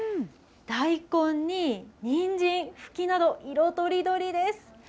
大根ににんじん、ふきなど、色とりどりです。